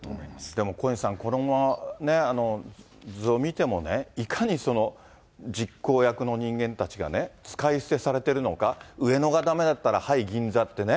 でも小西さん、これも、図を見てもね、いかに実行役の人間たちがね、使い捨てされてるのか、上野がだめだったら、はい、銀座